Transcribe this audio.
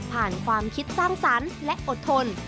ความคิดสร้างสรรค์และอดทน